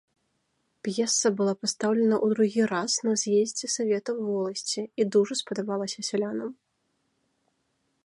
П'еса была пастаўлена ў другі раз на з'ездзе саветаў воласці і дужа спадабалася сялянам.